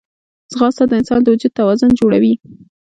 ځغاسته د انسان د وجود توازن جوړوي